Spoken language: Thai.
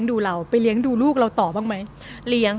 หรือการคิดไปเอง